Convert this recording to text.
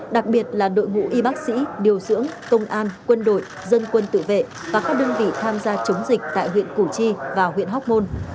đặc biệt là đội ngũ y bác sĩ điều dưỡng công an quân đội dân quân tự vệ và các đơn vị tham gia chống dịch tại huyện củ chi và huyện hóc môn